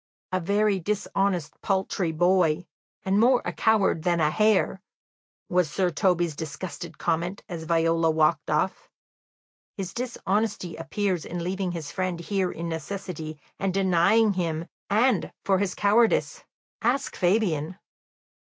"A very dishonest, paltry boy, and more a coward than a hare," was Sir Toby's disgusted comment, as Viola walked off. "His dishonesty appears in leaving his friend here in necessity, and denying him; and for his cowardice, ask Fabian."